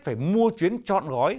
phải mua chuyến trọn gói